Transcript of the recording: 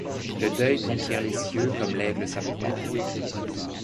Le deuil conquiert les cieux comme l’aigle sa proie.